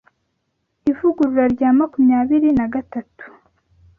Ivugurura rya makumyabiri nagatatu